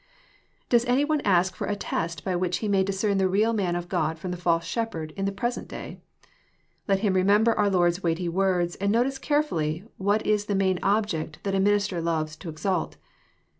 Does any one ask for a test by which he may discern the real man of God from the false shepherd in the present day ? Let him remember our Lord's weighty words, and notice carefully what is the main object that a minister loves to exalt.